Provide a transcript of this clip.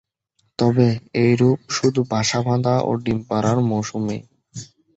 তবে এই রূপ শুধু বাসা বাঁধা ও ডিম পাড়ার মৌসুমেই।